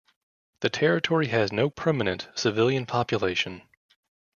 The territory has no permanent civilian population.